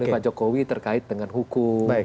pak jokowi terkait dengan hukum